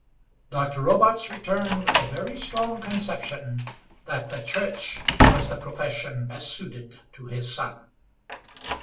Dr. Robarts returned with a very strong conception that the Church was the profession best suited to his son.